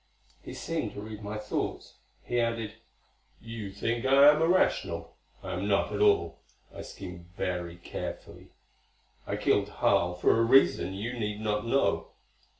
He seemed to read my thoughts. He added, "You think I am irrational. I am not at all. I scheme very carefully. I killed Harl for a reason you need not know.